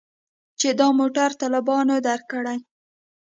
چې دا موټر طالبانو درکړى.